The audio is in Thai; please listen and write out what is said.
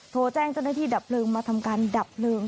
โทรแจ้งเจ้าหน้าที่ดับเพลิงมาทำการดับเพลิง